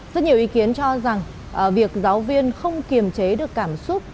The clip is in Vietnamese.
rất nhiều ý kiến cho rằng việc giáo viên không kiềm chế được cảm xúc